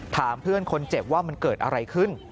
ถามเพื่อนคนเจ็บว่ามันเกิดอะไรขึ้น